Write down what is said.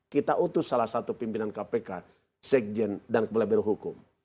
kita utus salah satu pimpinan kpk sekjen dan kepala birohukum